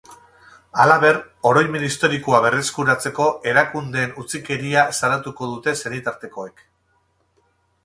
Halaber, oroimen historikoa berreskuratzeko erakundeen utzikeria salatuko dute senitartekoek.